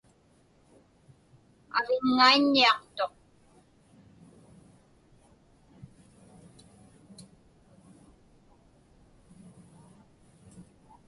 Aviŋŋaiññiaqtuq.